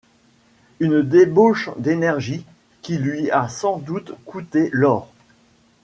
Une débauche d'énergie qui lui a sans doute coûté l'or.